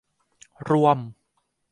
รวม